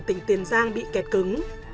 tỉnh tiền giang bị kẹt cứng